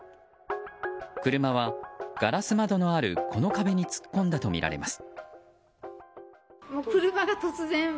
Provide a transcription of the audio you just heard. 車はガラス窓のあるこの壁に突っ込んだとみられます。